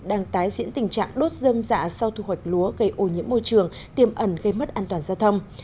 đang tái diễn tình trạng đốt dâm dạ sau thu hoạch lúa gây ô nhiễm môi trường tiềm ẩn gây mất an toàn giao thông